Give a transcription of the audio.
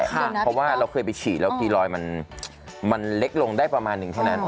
เพราะว่าเราเคยไปฉีดแล้วกี่รอยมันเล็กลงได้ประมาณหนึ่งเท่านั้น